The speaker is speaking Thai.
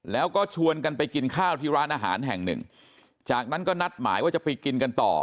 แล้วก็ชวนกันไปกินข้าวที่ร้านอาหารแห่งหนึ่งจากนั้นก็นัดหมายว่าจะไปกินกันต่อ